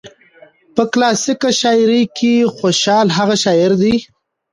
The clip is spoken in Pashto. په کلاسيکه شاعرۍ کې خوشال هغه شاعر دى